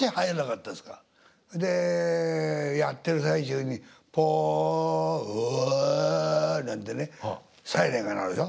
でやってる最中に「ポッ！ウッ！」なんてねサイレンが鳴るでしょ。